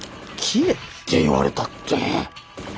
切れって言われたって。